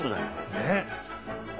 ねっ！